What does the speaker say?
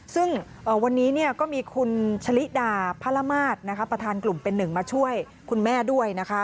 ซึ่งวันนี้ก็มีคุณชะลิดาพระละมาตรประธานกลุ่มเป็นหนึ่งมาช่วยคุณแม่ด้วยนะคะ